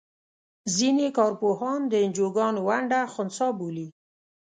ځینې کار پوهان د انجوګانو ونډه خنثی بولي.